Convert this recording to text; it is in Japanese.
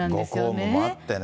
ご公務もあってね。